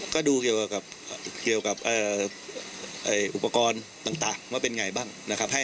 ก็ดูเกี่ยวกับอุปกรณ์ต่างว่าเป็นไงบ้างนะครับ